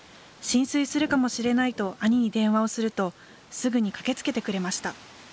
浸水するかもしれないと兄に電話をすると、すぐに駆けつけてくれました。